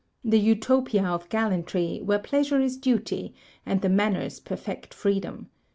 The Utopia of gallantry, where pleasure is duty, and the manners perfect freedom.